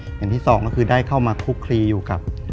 อย่างที่สองก็คือได้เข้ามาคุกคลีอยู่กับ